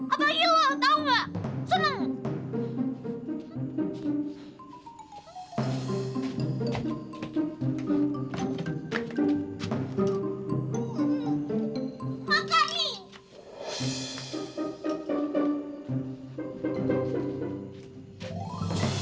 apalagi lo tau gak